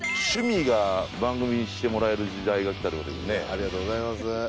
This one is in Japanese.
ありがとうございます。